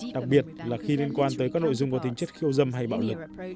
đặc biệt là khi liên quan tới các nội dung có tính chất khiêu dâm hay bạo lực